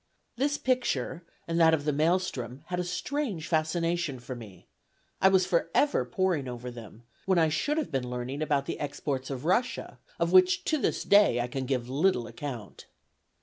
This picture and that of the Maelstrom had a strange fascination for me; I was forever poring over them, when I should have been learning about the exports of Russia, of which to this day I can give little account.